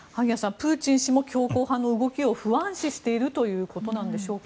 プーチン氏も強硬派の動きを不安視しているということでしょうか。